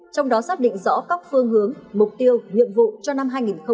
trong đó xác định rõ các phương hướng mục tiêu nhiệm vụ cho năm hai nghìn hai mươi